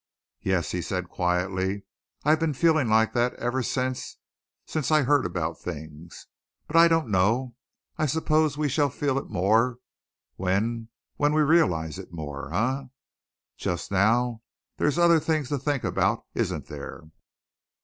"Yes," he said quietly, "I've been feeling like that ever since since I heard about things. But I don't know I suppose we shall feel it more when when we realize it more, eh? Just now there's the other thing to think about, isn't there?"